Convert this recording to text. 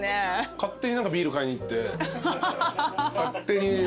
勝手にビール買いに行って勝手に飲んで。